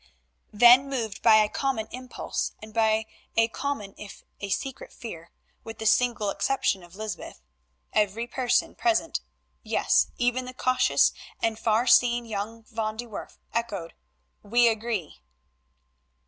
Then moved by a common impulse, and by a common if a secret fear, with the single exception of Lysbeth, every person present, yes, even the cautious and far seeing young Van de Werff, echoed "We agree."